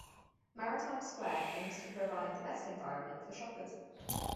Maritime Square aims to provide the best environment for shoppers.